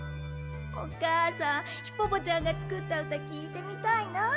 お母さんヒポポちゃんが作った歌きいてみたいなあ！